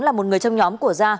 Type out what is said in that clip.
là một người trong nhóm của da